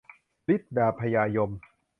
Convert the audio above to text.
ฤทธิ์ดาบพญายม